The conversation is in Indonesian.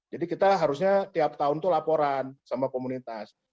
jadi kita harusnya tiap tahun itu laporan sama komunitas